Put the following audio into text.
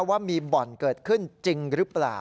ว่ามีบ่อนเกิดขึ้นจริงหรือเปล่า